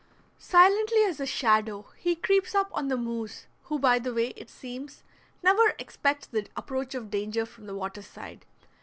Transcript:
Silently as a shadow he creeps up on the moose, who by the way, it seems, never expects the approach of danger from the water side.